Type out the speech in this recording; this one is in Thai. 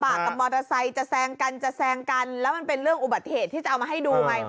กับมอเตอร์ไซค์จะแซงกันจะแซงกันแล้วมันเป็นเรื่องอุบัติเหตุที่จะเอามาให้ดูไง